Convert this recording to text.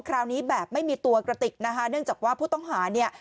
คราวนี้แบบไม่มีตัวกระติกนะคะเนื่องจากว่าผู้ต้องหาเนี่ย